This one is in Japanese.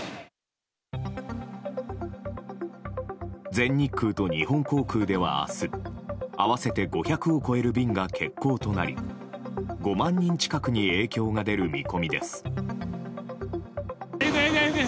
全日空と日本航空では明日合わせて５００を超える便が欠航となり５万人近くに影響が出る見込みです。